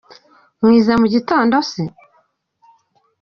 Mwize mugitondo se?